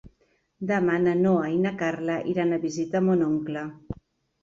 Demà na Noa i na Carla iran a visitar mon oncle.